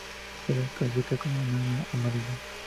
Se la clasifica como enana amarilla.